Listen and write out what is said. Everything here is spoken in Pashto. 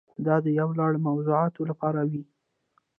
دا د یو لړ موضوعاتو لپاره وي.